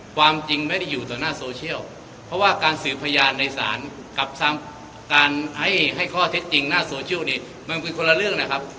ความจริงไม่ได้อยู่ต่อหน้าโซเชียลเพราะว่าการสืบพยานในศาลกับการให้ข้อเท็จจริงหน้าโซเชียลเนี่ยมันเป็นคนละเรื่องนะครับ